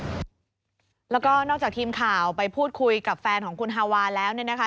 แล้วก็นอกจากทีมข่าวไปพูดคุยกับแฟนของคุณฮาวาแล้วเนี่ยนะคะ